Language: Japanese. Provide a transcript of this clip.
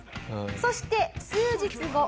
そして数日後。